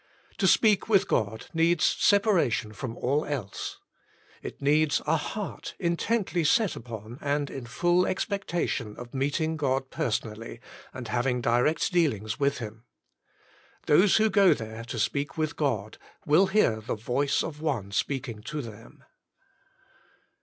To speak with God needs separa tion from all else. It needs a heart intently set upon and in full expectation of meeting God per sonally, and having direct dealings with Him. Those who go there to speak to God, will hear the Voice of One speaking to them.